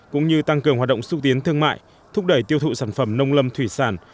cũng như tăng cường hoạt động xúc tiến thương mại thúc đẩy tiêu thụ sản phẩm nông lâm thủy sản